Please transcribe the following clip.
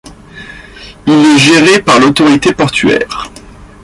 Il est géré par l'autorité portuaire.